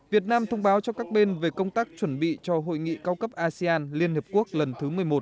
việt nam thông báo cho các bên về công tác chuẩn bị cho hội nghị cao cấp asean liên hợp quốc lần thứ một mươi một